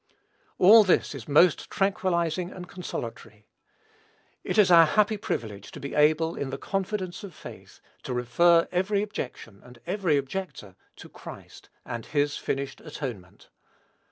All this is most tranquillizing and consolatory. It is our happy privilege to be able, in the confidence of faith, to refer every objection and every objector to Christ and his finished atonement.